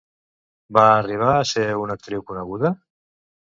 Va arribar a ser una actriu coneguda?